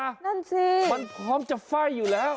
นั่นสิมันพร้อมจะไฟ่อยู่แล้ว